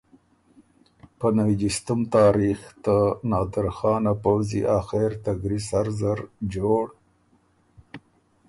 په نوی جيستُم تاریخ ته نادرخان ا پؤځی آخر ته ګری سر زر جوړ